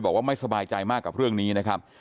บอกว่าไม่สบายใจมากกับเรื่องนี้นะครับ